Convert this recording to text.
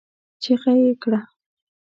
چيغه يې کړه!